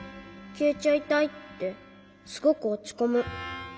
きえちゃいたい」ってすごくおちこむ。